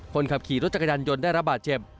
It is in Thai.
คนขับขี่รถจักรยานยนต์ได้ระบาดเจ็บ